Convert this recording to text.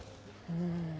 うん。